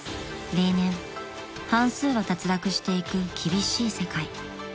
［例年半数は脱落していく厳しい世界］